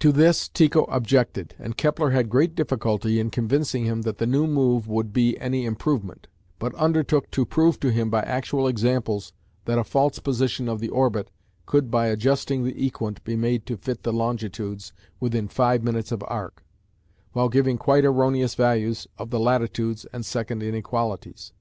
To this Tycho objected, and Kepler had great difficulty in convincing him that the new move would be any improvement, but undertook to prove to him by actual examples that a false position of the orbit could by adjusting the equant be made to fit the longitudes within five minutes of arc, while giving quite erroneous values of the latitudes and second inequalities.